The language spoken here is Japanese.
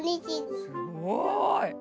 すごい！